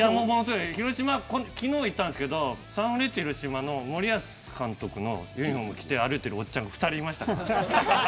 広島、昨日、行ったんですけどサンフレッチェ広島の森保監督のユニホームを着て歩いてるおっちゃんが２人いましたから。